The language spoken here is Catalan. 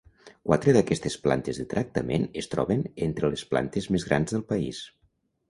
Quatre d'aquestes plantes de tractament es troben entre les plantes més grans del país.